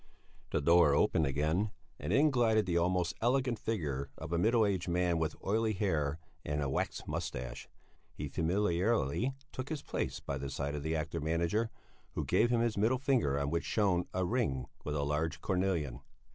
The door opened again, and in glided the almost elegant figure of a middle aged man with oily hair and a waxed moustache. He familiarly took his place by the side of the actor manager, who gave him his middle finger on which shone a ring with a large cornelian.